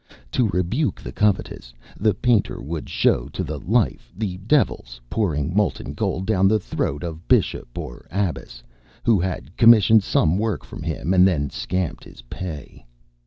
To rebuke the covetous, the painter would show to the life the Devils pouring molten gold down the throat of Bishop or Abbess, who had commissioned some work from him and then scamped his pay.